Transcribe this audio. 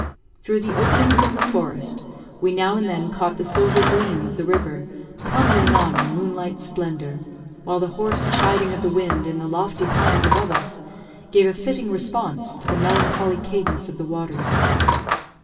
Through the openings in the forest, we now and then caught the silver gleam of the river tumbling on in moonlight splendour, while the hoarse chiding of the wind in the lofty pines above us gave a fitting response to the melancholy cadence of the waters.